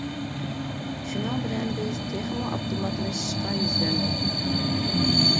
شۇنىڭ بىلەن بىز تېخىمۇ ئاپتوماتلىشىشقا يۈزلەندۇق.